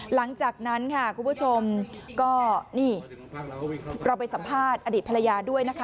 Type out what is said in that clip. หลังจากนั้นค่ะคุณผู้ชมก็นี่เราไปสัมภาษณ์อดีตภรรยาด้วยนะคะ